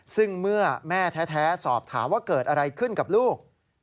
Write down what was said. ซึ่งเมื่อแม่แท้สอบถามว่าเกิดอะไรขึ้นกับลูก